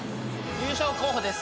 優勝候補です